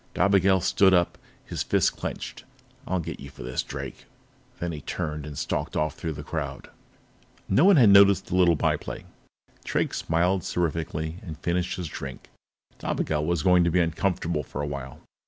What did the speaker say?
Dobigel stood up, his fists clenched. "I'll get you for this, Drake." Then he turned and stalked off through the crowd. No one had noticed the little by play. Drake smiled seraphically and finished his drink. Dobigel was going to be uncomfortable for a while.